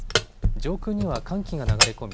上空には寒気が流れ込み